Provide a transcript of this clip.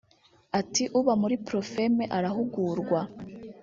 Ati “Uba muri Pro-Femmes arahugurwa